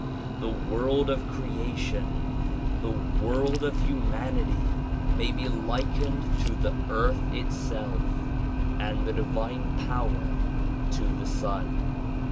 The world of creation, the world of hu manity may be likened to the earth itself and the divine power to the sun.